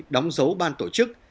đóng dấu ban tổ chức